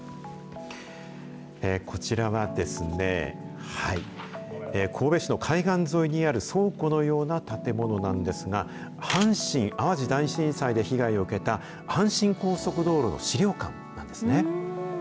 こちらはですね、神戸市の海岸沿いにある倉庫のような建物なんですが、阪神・淡路大震災で被害を受けた阪神高速道路の資料館なんですね。